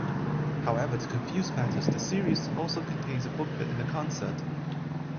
However to confuse matters the series also contains a booklet and a concert.